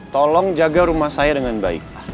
tolong jaga rumah saya dengan baik